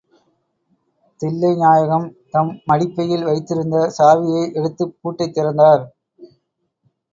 தில்லைநாயகம் தம் மடிப்பையில் வைத்திருந்த சாவியை எடுத்துப் பூட்டைத் திறந்தார்.